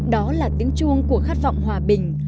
đó là tiếng chuông của khát vọng hòa bình